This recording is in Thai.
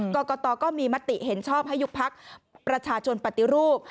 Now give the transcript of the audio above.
กรกตก็มีมติเห็นชอบให้ยุบพักประชาชนปฏิรูป